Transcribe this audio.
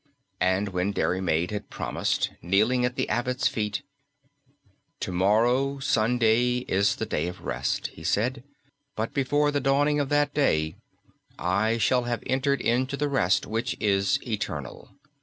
And when Diarmaid had promised, kneeling at the abbot's feet, "To morrow, Sunday, is the day of rest," he said, "but before the dawning of that day, I shall have entered into the rest which is eternal.